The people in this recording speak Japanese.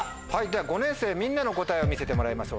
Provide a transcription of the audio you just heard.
では５年生みんなの答えを見せてもらいましょう。